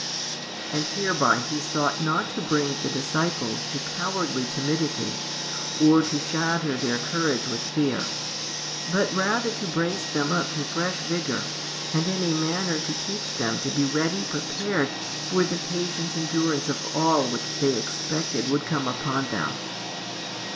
And hereby He sought not to bring the disciples to cowardly timidity, or to shatter their courage with fear; but rather to brace them up to fresh vigour, and in a manner to teach them to be ready prepared for the patient endurance of all which they expected would come upon them.